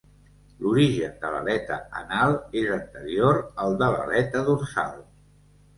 L'origen de l'aleta anal és anterior al de l'aleta dorsal.